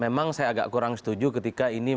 memang saya agak kurang setuju ketika ini